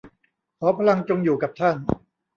ขอพลังจงอยู่กับท่าน